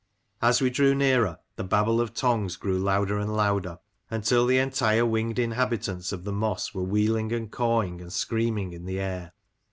As we drew nearer, the babble of tongues grew louder and louder, until the entire winged inhabitants of the moss were wheeling and cawing and screaming in the air.